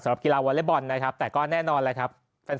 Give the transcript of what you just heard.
สำหรับกีฬาวอเล็กบอลนะครับแต่ก็แน่นอน